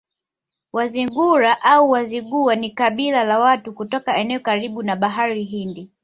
Wazigula au Wazigua ni kabila la watu kutoka eneo karibu na Bahari Hindi